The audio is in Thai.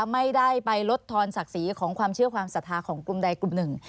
ไม่ได้ไปลดทอนศักดิ์ศรีของความเชื่อความศรัทธาของกลุ่มใดกลุ่มหนึ่ง